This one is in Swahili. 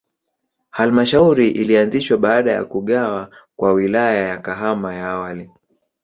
Halmashauri ilianzishwa baada ya kugawa kwa Wilaya ya Kahama ya awali.